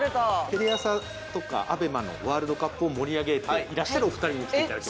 テレ朝とかＡＢＥＭＡのワールドカップを盛り上げていらっしゃるお二人に来ていただきました。